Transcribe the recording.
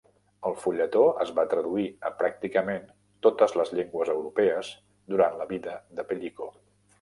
El fulletó es va traduir a pràcticament totes les llengües europees durant la vida de Pellico.